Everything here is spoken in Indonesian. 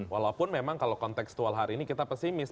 walaupun memang kalau konteksual hari ini kita pesimis